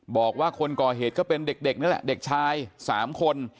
บอกว่าคนก่อเหตุก็เป็นเด็กนั่นแหละเด็กชาย๓คน